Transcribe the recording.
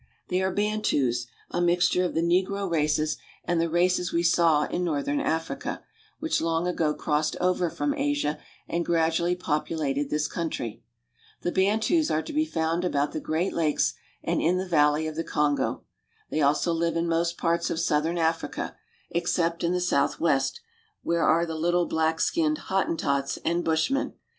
They are Bantus, a mixture of the negro races and the races we saw in northern Africa which long ago crossed over from Asia and gradually populated this country. The Bantus are to be found about the great lakes and in the valley of the Kongo. They also live in most parts of southern Africa, except in the southwest, where are the little black skinned Hottentots and Bushmen.